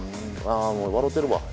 もう笑てるわ。